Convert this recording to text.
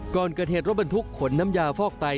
ก่อนเกิดเหตุรถบรรทุกขนน้ำยาฟอกไต